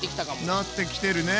なってきてるね。